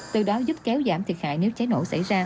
từ đó giúp kéo giảm thiệt hại nếu cháy nổ xảy ra